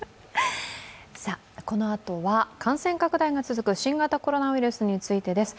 このあとは感染拡大が続く新型コロナウイルスについてです。